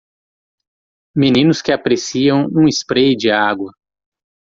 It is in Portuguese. Meninos que apreciam um spray de água.